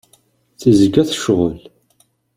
Tezga tecɣel.